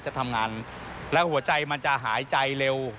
จะทำงานแล้วหัวใจมันจะหายใจเร็ว